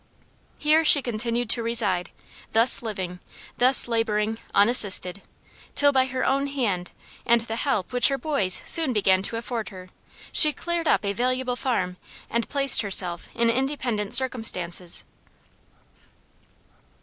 Here she continued to reside, thus living, thus laboring, unassisted, till, by her own hand and the help which her boys soon began to afford her, she cleared up a valuable farm and placed herself in independent circumstances.